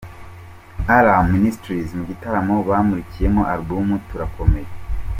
Alarm Ministries mu gitaramo bamurikiyemo Album 'Turakomeye'.